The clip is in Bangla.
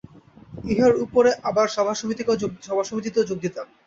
ইহার উপরে আবার সভাসমিতিতেও যোগ দিতাম।